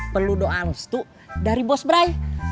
perlu doang setu dari bos brai